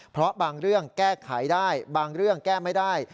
เพราะบางเรื่องแก้ไขได้บางเรื่องแก้ไม่ได้